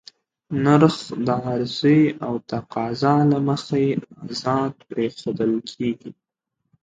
نرخ د عرضې او تقاضا له مخې ازاد پرېښودل کېږي.